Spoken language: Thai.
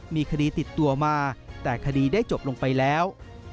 มีคดีติดตัวมาแต่คดีได้จบลงไปแล้ว